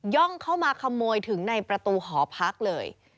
่องเข้ามาขโมยถึงในประตูหอพักเลย